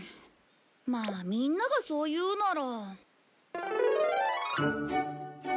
まあみんながそう言うなら。